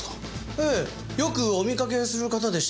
ええよくお見かけする方でした。